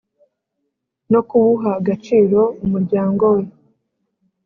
no kuwuha agaciro umuryango we